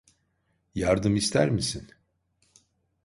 Yardım ister misin?